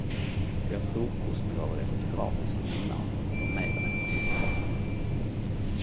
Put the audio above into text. Eg har storkost meg over dei fotografiske minna over meir enn eit hundreår.